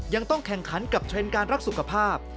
ยังต้องแข่งขันกับเทรนด์การรักสุขภาพ